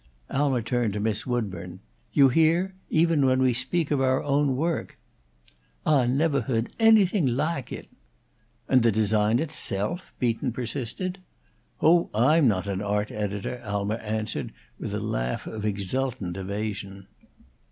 Alma turned to Miss Woodburn: "You hear? Even when we speak of our own work." "Ah nevah hoad anything lahke it!" "And the design itself?" Beaton persisted. "Oh, I'm not an art editor," Alma answered, with a laugh of exultant evasion.